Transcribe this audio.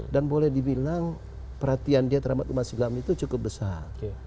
dan boleh dibilang perhatian dia terhadap umat siglam itu cukup besar